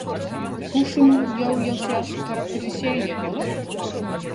Hoe soenen jo josels karakterisearje wolle?